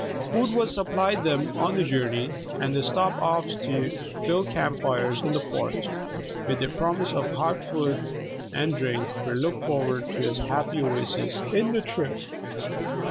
Food was supplied them on the journey, and the stop offs to build camp fires in the forest, with their promise of hot food and drink, were looked forward to as happy oases in the trip.